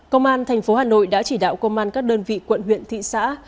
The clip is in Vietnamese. công an tp hà nội đã chỉ đạo công an các đơn vị quận huyện thị xã